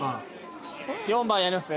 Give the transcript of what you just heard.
４番やりますか？